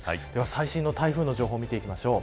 最新の台風の情報を見ていきます。